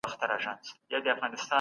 ولې جګړه دومره ویجاړونکي وه؟